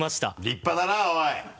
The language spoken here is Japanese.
立派だなおい。